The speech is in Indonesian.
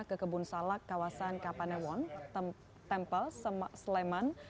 ke kebun salak kawasan kapanewon tempel sleman